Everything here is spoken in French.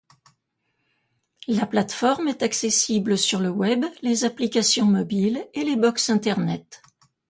La plateforme est accessible sur le Web, les applications mobiles et les box internet.